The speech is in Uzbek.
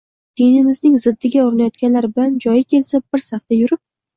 Dinimizning ziddiga urinayotganlar bilan joyi kelsa bir safda yurib